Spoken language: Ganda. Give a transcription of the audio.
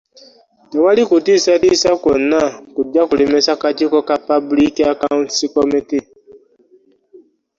Tewali kutiisatiisa kwonna kujja kulemesa kakiiko ka Public Accounts Committee.